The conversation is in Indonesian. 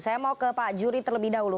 saya mau ke pak juri terlebih dahulu